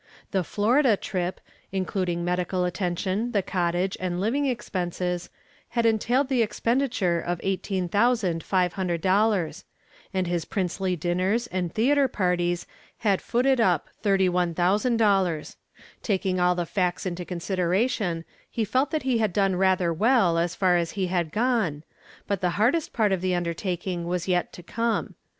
The Florida trip, including medical attention, the cottage and living expenses, had entailed the expenditure of $18,500, and his princely dinners and theater parties had footed up $31,000. Taking all the facts into consideration, he felt that he had done rather well as far as he had gone, but the hardest part of the undertaking was yet to come.